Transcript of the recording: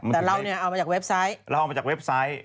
แต่เราเนี่ยเอามาจากเว็บไซต์